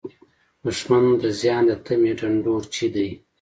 دښمن د زیان د تمې ډنډورچی دی